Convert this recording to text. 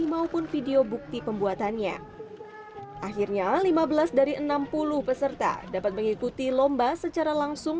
maupun video bukti pembuatannya akhirnya lima belas dari enam puluh peserta dapat mengikuti lomba secara langsung